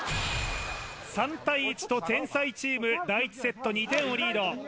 ３対１と天才チーム第１セット２点をリード